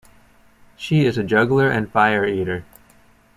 She is a juggler and fire eater.